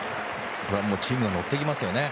これはチームも乗っていきますよね。